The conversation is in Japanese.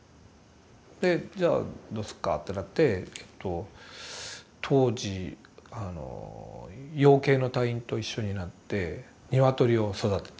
でじゃあどうすっかってなってえっと当時養鶏の隊員と一緒になって鶏を育てて。